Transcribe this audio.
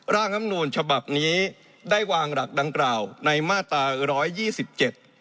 ลำนูลฉบับนี้ได้วางหลักดังกล่าวในมาตราร้อยยี่สิบเจ็ด